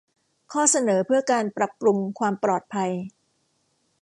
ข้อเสนอเพื่อการปรับปรุงความปลอดภัย